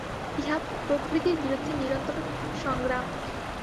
ইহা প্রকৃতির বিরুদ্ধে নিরন্তর সংগ্রাম।